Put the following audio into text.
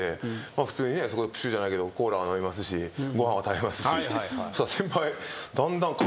普通にプシュッじゃないけどコーラは飲みますしご飯は食べますしそしたら先輩だんだん。